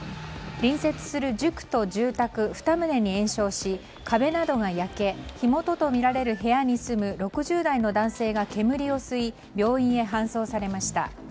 隣接する塾と住宅２棟に延焼し壁などが焼け火元とみられる部屋に住む６０代の男性が煙を吸い病院へ搬送されました。